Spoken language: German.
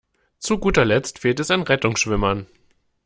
Zu guter Letzt fehlt es an Rettungsschwimmern.